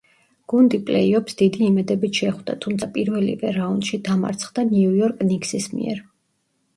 გუნდი პლეი-ოფს დიდი იმედებით შეხვდა, თუმცა პირველივე რაუნდში დამარცხდა ნიუ-იორკ ნიქსის მიერ.